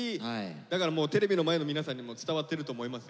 だからもうテレビの前の皆さんにも伝わってると思いますよ。